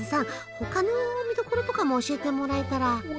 他の見どころとかも教えてもらえたら。